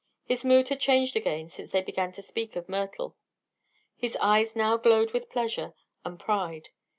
His mood had changed again since they began to speak of Myrtle. His eyes now glowed with pleasure and pride.